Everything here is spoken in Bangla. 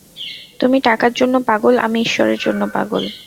তুমি টাকার জন্য পাগল, আমি ঈশ্বরের জন্য পাগল।